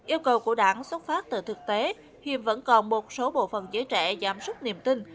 yêu cầu của đảng xuất phát từ thực tế hiện vẫn còn một số bộ phận giới trẻ giảm súc niềm tin